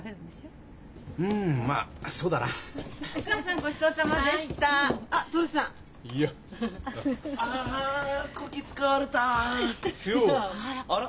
あら？